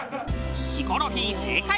ヒコロヒー正解！